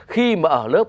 khi mà ở lớp